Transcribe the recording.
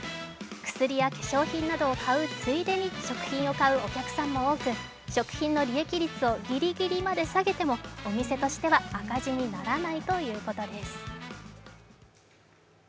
薬や化粧品などを買うついでに食品を買うお客さんも多く、食品の利益率をギリギリまで下げてもお店としては赤字にならないということです。